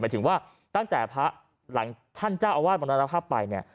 ถึงว่าตั้งแต่พระหลังท่านเจ้าอาวาสมรณภาพไปเนี่ย